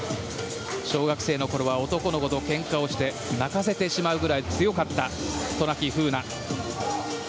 小学生のころは男の子とけんかをして泣かせてしまうくらい強かった渡名喜風南。